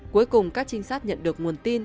cuối cùng các trinh sát nhận được nguồn tin